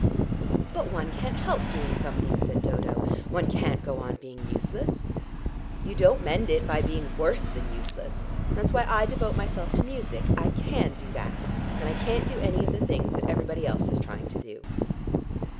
"But one can't help doing something," said Dodo. "One can't go on being useless." "You don't mend it by being worse than useless. That's why I devote myself to music. I can do that, and I can't do any of the things that everybody else is trying to do."